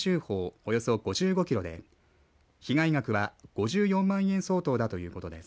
およそ５５キロで被害額は５４万円相当だということです。